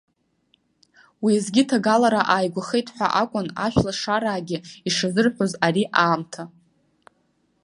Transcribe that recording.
Уеизгьы ҭагалара ааигәахеит ҳәа акәын ашәлашараагьы ишазырҳәоз ари аамҭа.